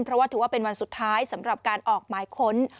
เพราะว่าถือว่าเป็นวันสุดท้ายสำหรับการออกหมายค้น